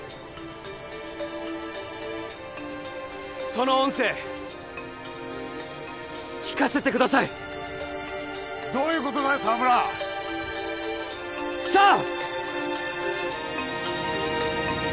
その音声聞かせてくださいどういうことだよ沢村さあ！